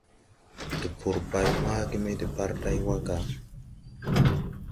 Tpur bay wããge me deparday wa ga ?